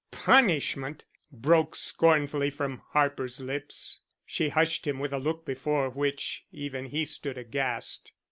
"Punishment!" broke scornfully from Harper's lips. She hushed him with a look before which even he stood aghast.